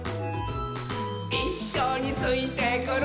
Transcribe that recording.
「いっしょについてくる」